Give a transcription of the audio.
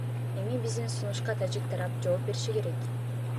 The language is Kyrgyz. Эми биздин сунушка тажик тарап жооп бериши керек.